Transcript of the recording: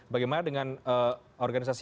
bagaimana dengan organisasi